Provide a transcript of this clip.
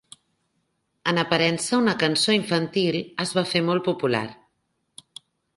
En aparença una cançó infantil, es va fer molt popular.